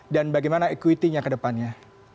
dan bagaimana equity nya ke depannya